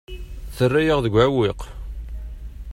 Terra-yaɣ deg uɛewwiq.